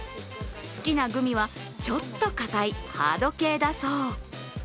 好きなグミはちょっと硬いハード系だそう。